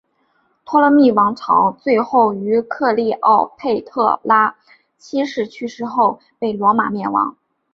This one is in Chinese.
托勒密王朝最后于克丽奥佩特拉七世去世后被罗马灭亡。